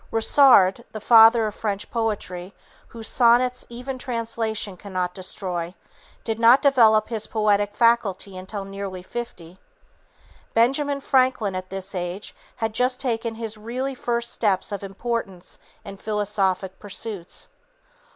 Ronsard, the father of French poetry, whose sonnets even translation cannot destroy, did not develop his poetic faculty until nearly fifty. Benjamin Franklin at this age had just taken his really first steps of importance in philosophic pursuits.